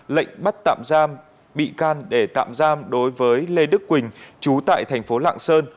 lệnh bắt tạm giam bị can để tạm giam đối với lê đức quỳnh chú tại thành phố lạng sơn